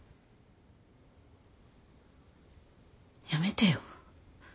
やめてよ。